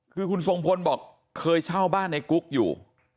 คือคุณทรงพลบอกเคยเช่าบ้านในกุ๊กอยู่